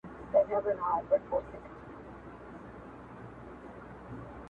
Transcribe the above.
د پيل ورځ بيا د پرېکړې شېبه راځي ورو-